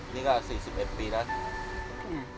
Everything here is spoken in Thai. นี่ก็๔๑ปีแล้ว